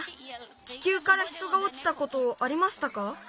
気球から人がおちたことありましたか？